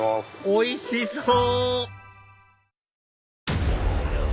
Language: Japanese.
おいしそう！